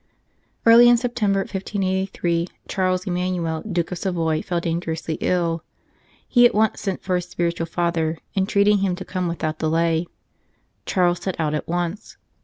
Early in September, 1583, Charles Emmanuel, Duke of Savoy, fell dangerously ill. He at once 210 The Only Way sent for his spiritual father, entreating him to come without delay. Charles set out at once.